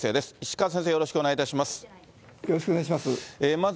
石川先生、よろしくお願いいたします。